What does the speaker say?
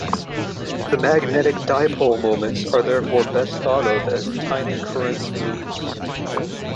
The magnetic dipole moments are therefore best thought of as tiny current loops.